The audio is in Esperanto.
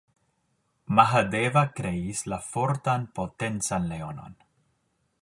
Mahadeva kreis la fortan, potencan leonon.